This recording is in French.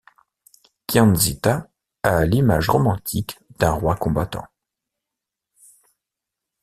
Kyanzittha a l'image romantique d'un roi combattant.